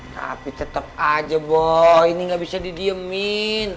tapi tetep aja boh ini gak bisa didiemin